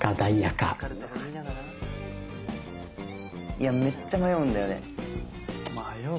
いやめっちゃ迷うんだよね。